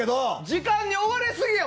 時間に追われすぎや！